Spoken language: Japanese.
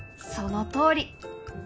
そのとおり！